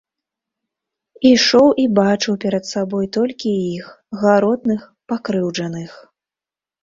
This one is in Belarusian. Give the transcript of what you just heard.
Ішоў і бачыў перад сабой толькі іх, гаротных, пакрыўджаных.